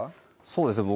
そうですね